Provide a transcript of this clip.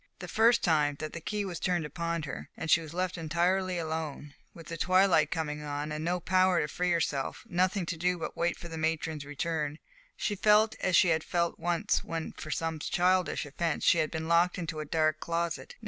The first time that the key was turned upon her, and she was left entirely alone, with the twilight coming on, with no power to free herself, nothing to do but wait for the matron's return, she felt as she had felt once when for some childish offence, she had been locked into a dark closet.